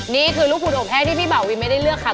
นี่คือลูกหุ่นโอแพทย์ที่พี่บ่าวีนไม่ได้เลือกค่ะ